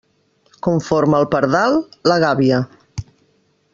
Conforme el pardal, la gàbia.